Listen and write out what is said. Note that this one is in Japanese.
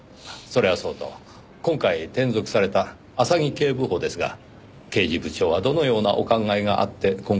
それはそうと今回転属された浅木警部補ですが刑事部長はどのようなお考えがあって今回の采配を？